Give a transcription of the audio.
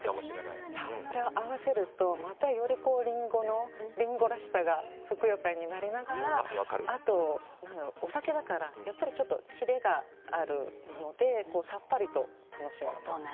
それを合わせるとよりリンゴのリンゴらしさがふくよかになりながらあと、お酒だからキレがあるのでさっぱりと楽しめます。